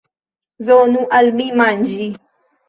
Donu al mi manĝi!